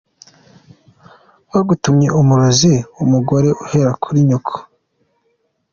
Bagutumye umurozi w’umugore uhera kuri nyoko.